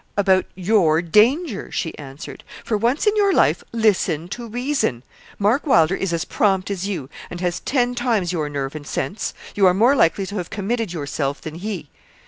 'About your danger,' she answered. 'For once in your life listen to reason. Mark Wylder is as prompt as you, and has ten times your nerve and sense; you are more likely to have committed yourself than he.